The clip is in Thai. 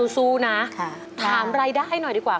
สู้นะถามรายได้หน่อยดีกว่า